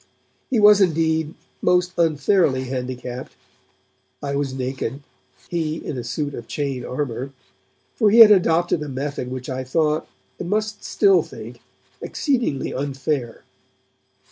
He was, indeed, most unfairly handicapped, I was naked, he in a suit of chain armour, for he had adopted a method which I thought, and must still think, exceedingly unfair.